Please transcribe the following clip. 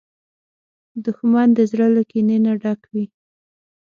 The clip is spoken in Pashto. دښمن د زړه له کینې نه ډک وي